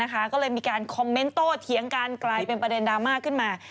ก็เลยมีการคอมเมนต์โตเถียงกันกลายเป็นประเด็นดราม่าขึ้นมา